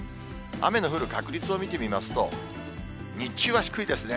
雨の降る確率を見てみますと、日中は低いですね。